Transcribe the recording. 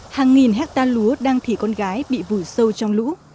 hàng nghìn hectare lúa đang thể con gái bị vùi sâu trong lũ